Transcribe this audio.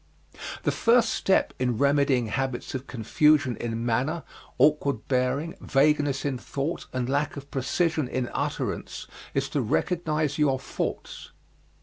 The first step in remedying habits of confusion in manner, awkward bearing, vagueness in thought, and lack of precision in utterance, is to recognize your faults.